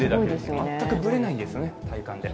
全くぶれないんですね、体幹で。